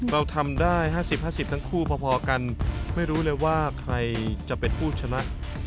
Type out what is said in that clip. เราทำได้๕๐๕๐ทั้งคู่พอกันไม่รู้เลยว่าใครจะเป็นผู้ชนะ